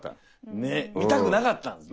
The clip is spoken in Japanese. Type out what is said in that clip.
ねえ見たくなかったんですね。